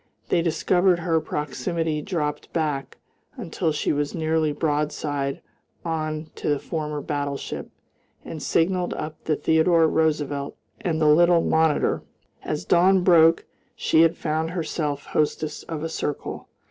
They discovered her proximity, dropped back until she was nearly broadside on to the former battleship, and signalled up the Theodore Roosevelt and the little Monitor. As dawn broke she had found herself hostess of a circle.